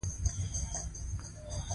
د انتظار د هاړ روژې اشنا تر ننه نيسم